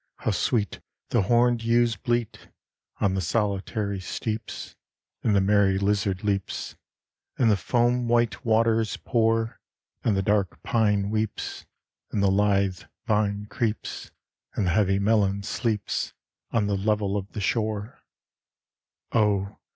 how sweet the horned ewes bleat On the solitary steeps, And the merry lizard leaps, And the foam white waters pour; And the dark pine weeps, And the lithe vine creeps, And the heavy melon sleeps On the level of the shore: Oh!